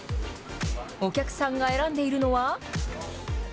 お客さんが選んでいるのは。